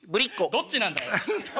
どっちなんだよ！